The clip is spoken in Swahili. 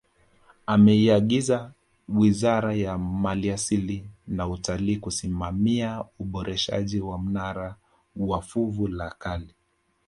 Ameiyagiza Wizara ya maliasili na Utalii kusimamia uboreshaji wa mnara wa fuvu la kale